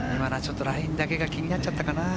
ラインだけが気になっちゃったかな。